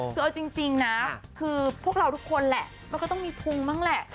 คือเอาจริงนะคือพวกเราทุกคนแหละมันก็ต้องมีพุงบ้างแหละ